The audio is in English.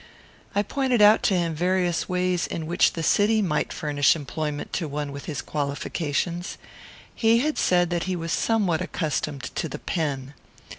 I pointed out to him various ways in which the city might furnish employment to one with his qualifications. He had said that he was somewhat accustomed to the pen.